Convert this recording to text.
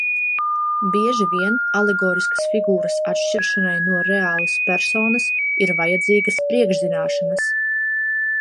Bieži vien alegoriskas figūras atšķiršanai no reālas personas ir vajadzīgas priekšzināšanas.